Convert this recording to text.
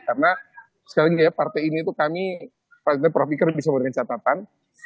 karena sekali lagi ya partai ini itu kami partai profiker bisa menggunakan catatan